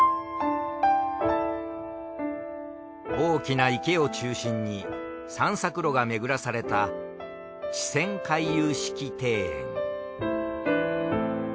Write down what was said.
大きな池を中心に散策路がめぐらされた池泉回遊式庭園。